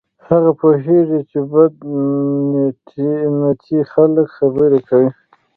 هغه پوهیږي چې بد نیتي خلک خبرې کوي.